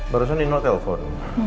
barusan dino telpon